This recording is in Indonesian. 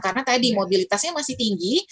karena tadi mobilitasnya masih tinggi